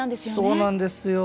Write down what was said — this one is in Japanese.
そうなんですよ。